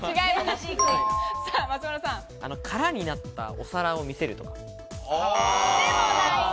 空になったお皿を見せるとか。